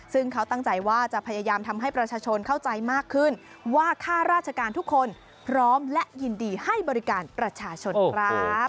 ซึ่งเขาตั้งใจว่าจะพยายามทำให้ประชาชนเข้าใจมากขึ้นว่าค่าราชการทุกคนพร้อมและยินดีให้บริการประชาชนครับ